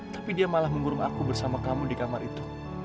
tapi dia malah mengurung aku bersama kamu di kamar itu